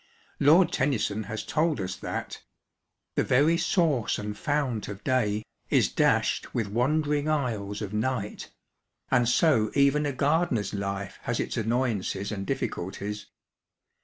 Lord Tennyson has told us that The very source and fount of day Is dashed with wandering isles of night, and so even a gardener's life has its annoyances and difficulties.